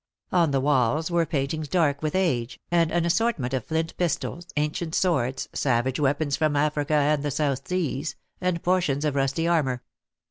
On the walls were paintings dark with age, and an assortment of flint pistols, ancient swords, savage weapons from Africa and the South Seas, and portions of rusty armour.